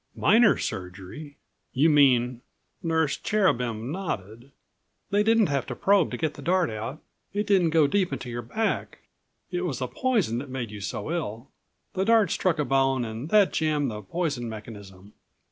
"Minor surgery! You mean " Nurse Cherubin nodded. "They didn't have to probe to get the dart out. It didn't go deep into your back. It was the poison that made you so ill. The dart struck a bone and that jammed the poison mechanism.